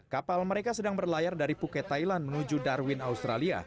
kapal mereka sedang berlayar dari puket thailand menuju darwin australia